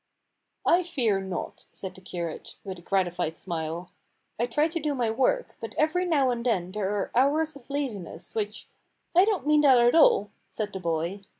"I fear not," said the curate, with a gratified smile. "I try to do my work, but every now and then there are hours of laziness which " "I don't mean that at all," said the boy.